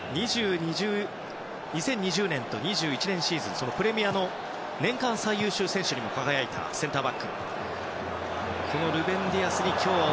２０２２年と２０２１年シーズンのプレミアの年間最優秀選手にも輝いたセンターバックです。